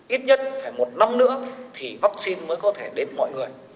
ít nhất phải một năm nữa thì vaccine mới có thể đến mọi người